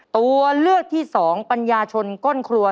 ตัวเลือกที่๒ปัญญาชนก้นครัว